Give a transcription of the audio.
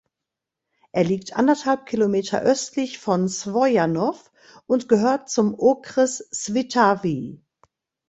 Er liegt anderthalb Kilometer östlich von Svojanov und gehört zum Okres Svitavy.